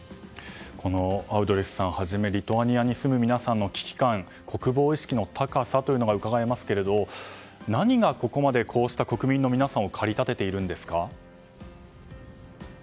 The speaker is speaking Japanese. アウドリュスさんをはじめリトアニアに住む皆さんの危機感、国防意識の高さがうかがえますけれども何がここまでこうした国民の皆さんを駆り立てているんですか。